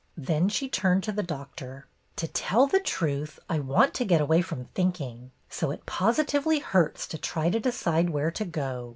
Then she turned to the Doctor. "To tell the truth, I want to get away from thinking, so it positively hurts to try to decide where to go.